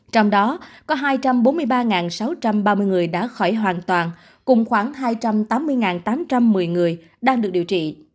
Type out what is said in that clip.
trong đó có hai trăm bốn mươi ba sáu trăm ba mươi người đã khỏi hoàn toàn cùng khoảng hai trăm tám mươi tám trăm một mươi người đang được điều trị